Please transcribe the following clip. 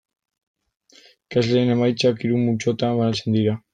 Ikasleen emaitzak hiru multzotan banatzen dira.